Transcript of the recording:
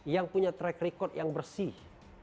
yang punya track record yang bersih